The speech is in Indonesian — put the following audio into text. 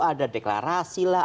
ada deklarasi lah